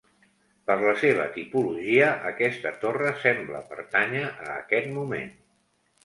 Per la seva tipologia aquesta torre sembla pertànyer a aquest moment.